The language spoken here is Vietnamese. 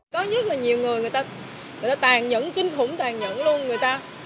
có rất là nhiều người người ta tàn nhẫn kinh khủng tàn nhẫn luôn người ta